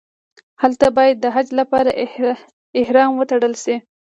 هلته باید د حج لپاره احرام وتړل شي.